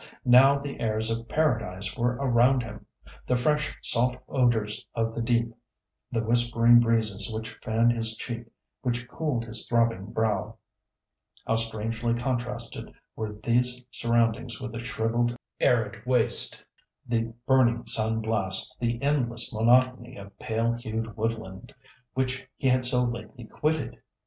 Now the airs of Paradise were around him. The fresh salt odours of the deep, the whispering breezes which fanned his cheek, which cooled his throbbing brow, how strangely contrasted were these surroundings with the shrivelled, arid waste, the burning sun blast, the endless monotony of pale hued woodland, which he had so lately quitted!"